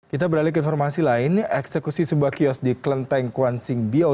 kita beralih ke informasi lain eksekusi sebuah kios di klenteng kwan sing bio